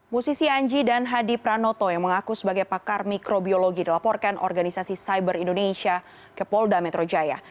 musisi anji dan hadi pranoto yang mengaku sebagai pakar mikrobiologi dilaporkan organisasi cyber indonesia ke polda metro jaya